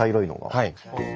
はい。